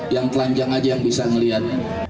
yang telanjang aja yang bisa melihat